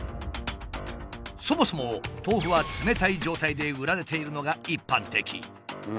そもそも豆腐は冷たい状態で売られているのが一般的。